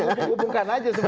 saya mau hubungkan saja